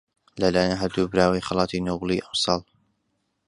لەلایەن هەردوو براوەی خەڵاتی نۆبڵی ئەمساڵ